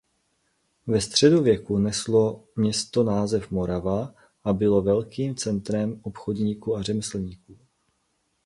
Ve středověku neslo město název "Morava" a bylo velkým centrem obchodníků a řemeslníků.